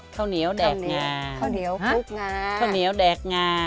ข้าวเหนียวแดกงาข้าวเหนียวคลุกงาข้าวเหนียวแดกงา